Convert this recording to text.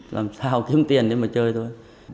làm sao kiếm tiền để mà chơi thôi